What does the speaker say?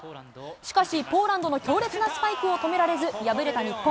しかし、ポーランドの強烈なスパイクを止められず、敗れた日本。